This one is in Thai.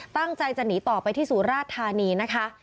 ตั้งใจจะหนีต่อไปที่สุราชธานีนะคะ